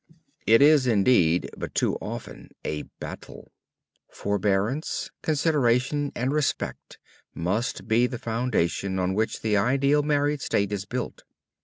It is, indeed, but too often a battle! Forbearance, consideration and respect must be the foundation on which the ideal married state is built.